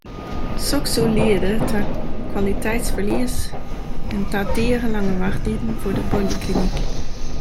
Soks soe liede ta kwaliteitsferlies en ta tige lange wachttiden foar de polyklinyk.